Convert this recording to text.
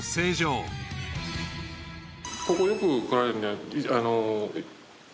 ここよく来られるのは。